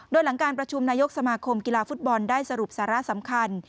โดยหลังการประชุมนายกสมาคมกีฬาฟุตบอลได้สรุปสาระสำคัญ